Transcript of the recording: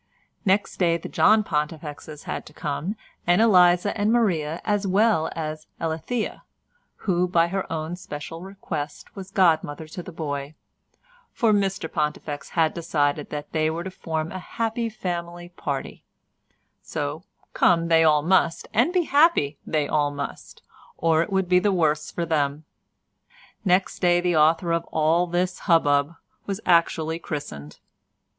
Next day the John Pontifexes had to come, and Eliza and Maria, as well as Alethea, who, by her own special request, was godmother to the boy, for Mr Pontifex had decided that they were to form a happy family party; so come they all must, and be happy they all must, or it would be the worse for them. Next day the author of all this hubbub was actually christened.